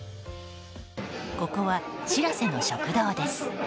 ここは「しらせ」の食堂です。